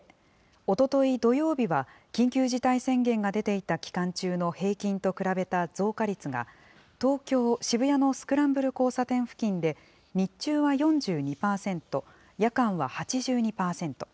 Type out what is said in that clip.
おととい土曜日は、緊急事態宣言が出ていた期間中の平均と比べた増加率が、東京・渋谷のスクランブル交差点付近で日中は４２％、夜間は８２％。